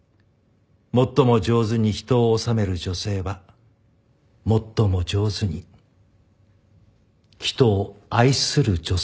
「最も上手に人をおさめる女性は最も上手に人を愛する女性である」。